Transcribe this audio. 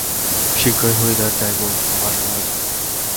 শীঘ্রই হরিদ্বার যাইব, বাসনা আছে।